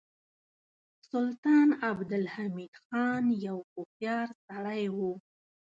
سلطان عبدالحمید خان یو هوښیار سړی و.